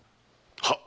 はっ。